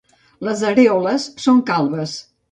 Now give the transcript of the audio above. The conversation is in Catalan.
Les arèoles són calbes.